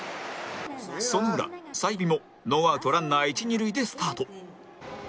その裏済美もノーアウトランナー一二塁でスタート